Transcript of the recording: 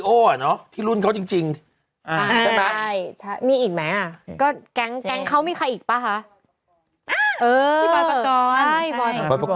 ใช่ไหมใช่มีอีกไหมน่ะก็แคงแคงเขามีใครอีกป่ะหาเออพี่บรรยากร